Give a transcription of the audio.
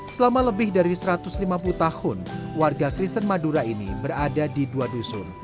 selama lebih dari satu ratus lima puluh tahun warga kristen madura ini berada di dua dusun